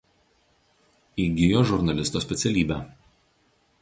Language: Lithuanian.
Įgijo žurnalisto specialybę.